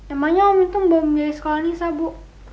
emangnya omi itu belum membiayai sekolah anissa bu